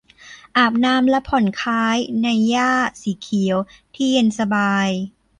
อาบน้ำและผ่อนคล้ายในหญ้าสีเขียวที่เย็นสบาย